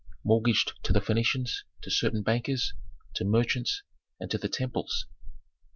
"Mortgaged to the Phœnicians, to certain bankers, to merchants, and to the temples."